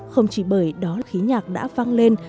không chỉ bởi đó khí nhạc đã văng lên